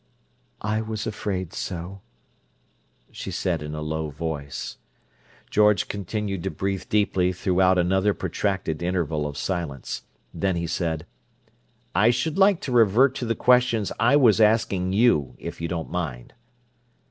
"I was afraid so," she said in a low voice. George continued to breathe deeply throughout another protracted interval of silence. Then he said, "I should like to revert to the questions I was asking you, if you don't mind."